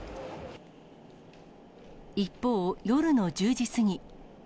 一方、夜の１０時過ぎ。